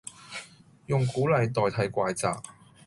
用鼓勵代替怪責